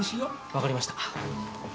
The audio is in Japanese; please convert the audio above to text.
分かりました。